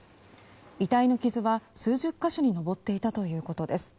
遺体の傷は数十か所に上っていたということです。